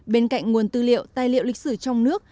bên cạnh nguồn tư liệu tài liệu lịch sử trong nước